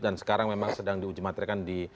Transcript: dan sekarang memang sedang di uji materi kan di